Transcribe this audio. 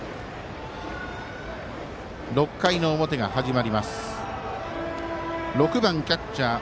６回の表が始まります。